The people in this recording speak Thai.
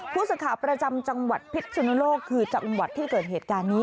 ผู้สื่อข่าวประจำจังหวัดพิษสุนโลกคือจังหวัดที่เกิดเหตุการณ์นี้